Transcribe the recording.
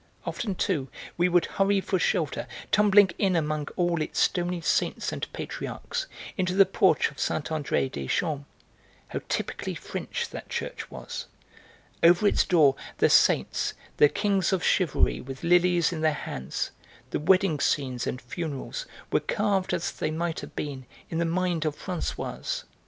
Often, too, we would hurry for shelter, tumbling in among all its stony saints and patriarchs, into the porch of Saint André des Champs, How typically French that church was! Over its door the saints, the kings of chivalry with lilies in their hands, the wedding scenes and funerals were carved as they might have been in the mind of Françoise.